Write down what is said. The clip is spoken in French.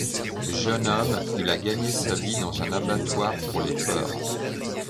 Jeune homme, il a gagné sa vie dans un abattoir pour les porcs.